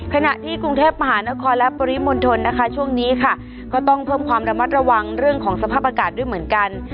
ขณะที่กรุงเทพมหานครและปริมณฑลนะคะช่วงนี้ค่ะก็ต้องเพิ่มความระมัดระวังเรื่องของสภาพอากาศด้วยเหมือนกัน